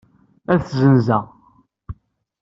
Ad t-ssenzeɣ.